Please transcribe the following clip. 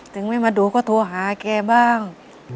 ถึงไม่มาดูก็โทรหาแกบ้าง